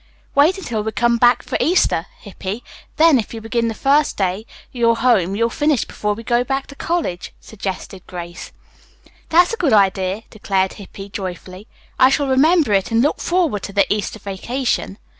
"Wait until we come back for Easter, Hippy, then if you begin the first day you're home you'll finish before we go back to college," suggested Grace. "That's a good idea," declared Hippy joyfully. "I shall remember it, and look forward to the Easter vacation."